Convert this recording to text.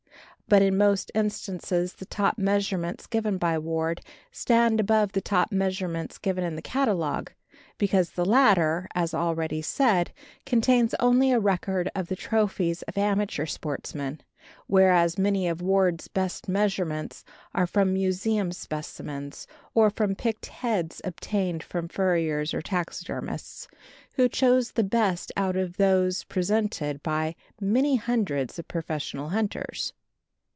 But in most instances the top measurements given by Ward stand above the top measurements given in the catalogue, because the latter, as already said, contains only a record of the trophies of amateur sportsmen, whereas many of Ward's best measurements are from museum specimens, or from picked heads obtained from furriers or taxidermists, who chose the best out of those presented by many hundreds of professional hunters.